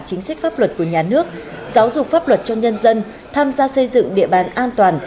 chính sách pháp luật của nhà nước giáo dục pháp luật cho nhân dân tham gia xây dựng địa bàn an toàn